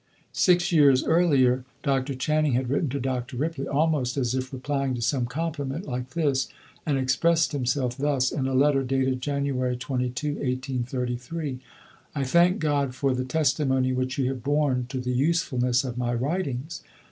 Six years earlier, Dr. Channing had written to Dr. Ripley almost as if replying to some compliment like this, and expressed himself thus, in a letter dated January 22, 1833, "I thank God for the testimony which you have borne to the usefulness of my writings.